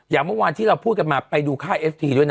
อย่างเมื่อวานที่เราพูดกันมาไปดูค่าเอฟทีด้วยนะ